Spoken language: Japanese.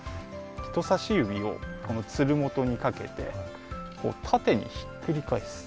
人さし指をこのつるもとにかけて縦にひっくり返す。